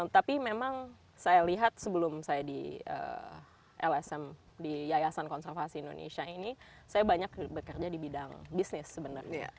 tapi memang saya lihat sebelum saya di lsm di yayasan konservasi indonesia ini saya banyak bekerja di bidang bisnis sebenarnya